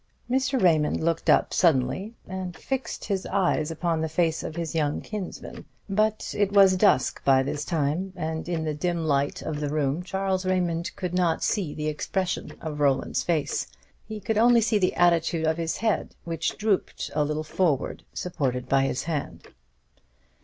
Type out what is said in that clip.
Mr. Raymond looked up suddenly, and fixed his eyes upon the face of his young kinsman. But it was dusk by this time; and in the dim light of the room Charles Raymond could not see the expression of Roland's face; he could only see the attitude of his head, which drooped a little forward, supported by his hand.